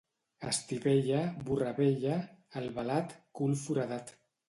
Estivella, burra vella; Albalat, cul foradat.